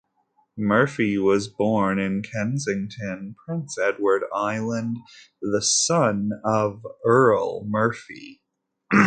Murphy was born in Kensington, Prince Edward Island, the son of Earle Murphy.